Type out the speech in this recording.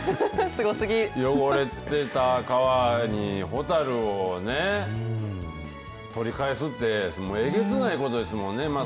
汚れてた川にホタルを取り返すって、えげつないことですもんね。